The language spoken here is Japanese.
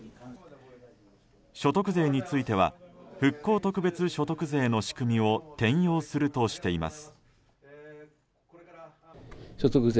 所得税については復興特別所得税の仕組みを転用するとしています。